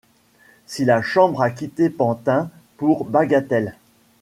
Si la Chambre a quitté Pantin pour Bagatelle